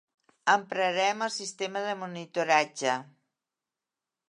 emprarem el sistema de monitoratge